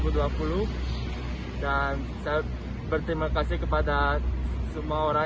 dan saya berterima kasih kepada semua orang